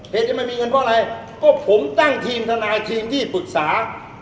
เหตุนี้มันมีเงินเพราะอะไรก็ผมตั้งทีมทนายทีมที่ปรึกษา